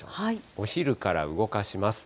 お昼から動かします。